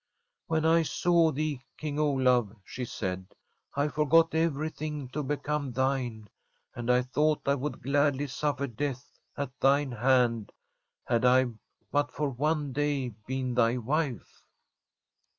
' When I saw thee, King Olaf,' she said, ' I forgot everything to become thine, and I thought I would gladly suffer death at thine hand had I but for one day been thy wife.'